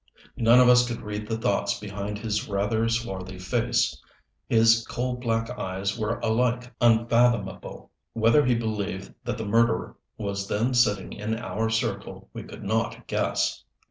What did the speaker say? None of us could read the thoughts behind his rather swarthy face. His coal black eyes were alike unfathomable: whether he believed that the murderer was then sitting in our circle we could not guess.